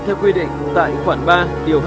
theo quy định tại khoản ba điều hai mươi năm